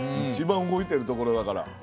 一番動いてるところだから。